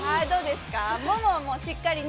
どうですか？